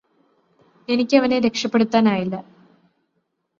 എനിക്കവനെ രക്ഷപ്പെടുത്താനായില്ല